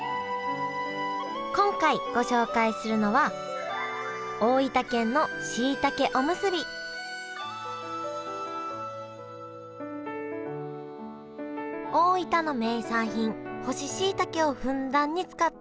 今回ご紹介するのは大分の名産品干ししいたけをふんだんに使ったおむすび。